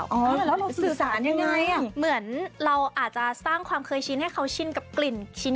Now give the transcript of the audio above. แล้วเราสื่อสารยังไงอ่ะเหมือนเราอาจจะสร้างความเคยชินให้เขาชินกับกลิ่นชิ้น